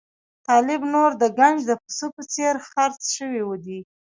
طالب نور د ګنج د پسه په څېر خرڅ شوی دی.